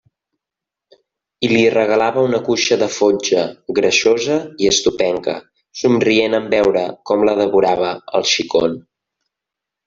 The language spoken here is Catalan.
I li regalava una cuixa de fotja, greixosa i estopenca, somrient en veure com la devorava el xicon.